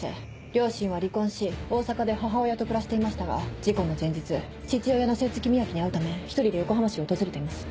両親は離婚し大阪で母親と暮らしていましたが事故の前日父親の摂津公明に会うため１人で横浜市を訪れています。